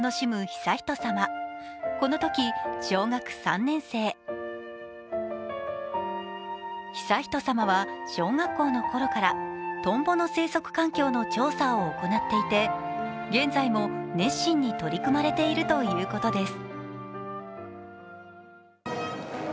悠仁さまは小学校のころからトンボの生息環境の調査を行っていて現在も熱心に取り組まれているということです。